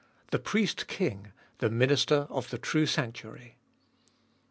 THE PRIEST KING, THE MINISTER OF THE TRUE SANCTUARY.